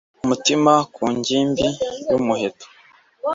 umutima ku ngimbi yumuheto